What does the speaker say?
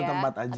satu tempat aja